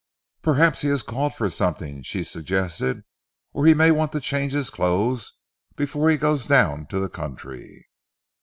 "Perhaps he has called for something," she suggested, "or he may want to change his clothes before he goes down to the country."